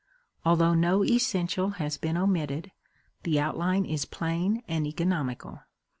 Although no essential has been omitted, the outline is plain and economical.